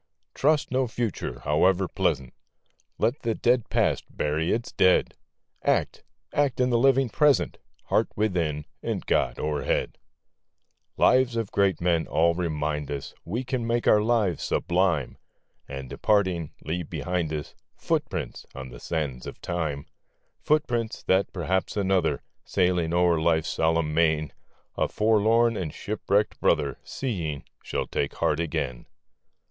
Trust no Future, howe'er pleasant ! Let the dead Past bury its dead ! Act, — act in the living Present ! Heart within, and God o'erhead ! A PSALM OF LIFE. Lives of great men all remind us We can make our lives sublime, And, departing, leave behind us Footsteps on the sands of time ; Footsteps, that perhaps another, Sailing o'er life's solemn main, A forlorn and shipwrecked brother, Seeing, shall take heart again.